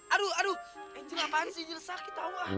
aduh aduh angel apaan sih angel sakit tau gak